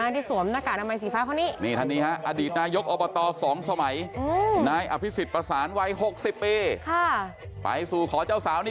ที่สวมนะคะใหม่สีภาคอนี้